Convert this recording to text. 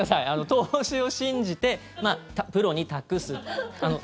投資を信じてプロに託す。